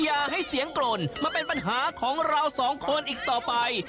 อย่าให้เสียงกลนมาเป็นปัญหาของเราสองคนอีกต่อไป